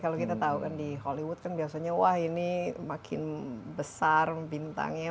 kalau kita tahu kan di hollywood kan biasanya wah ini makin besar bintangnya